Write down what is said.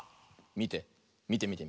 みてみてみて。